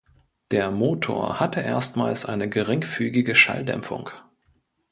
Der Motor hatte erstmals eine geringfügige Schalldämpfung.